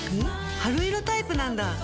春色タイプなんだ。